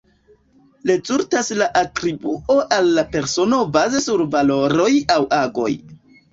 Rezultas de la atribuo al la persono baze sur valoroj aŭ agoj.